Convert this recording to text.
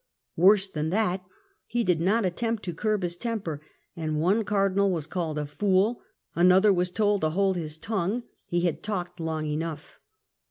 Worse than that, he did not attempt to curb his temper and one Cardinal was called a fool, an other was told to hold his tongue, he had talked long enough.